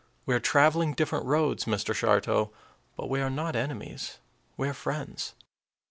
We are traveling different roads, Mr. Shartow, but we are not enemies; we are friends."